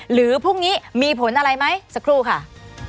หรือพรุ่งนี้มีผลอะไรไหมสักครู่ค่ะ